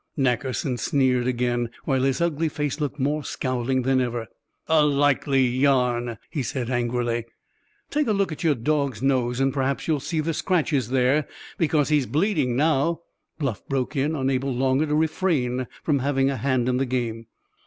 Nackerson sneered again, while his ugly face looked more scowling than ever. "A likely yarn," he said angrily. "Take a look at your dog's nose, and perhaps you'll see the scratches there, because he's bleeding now!" Bluff broke in, unable longer to refrain from having a hand in the game.